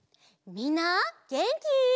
みんなげんき？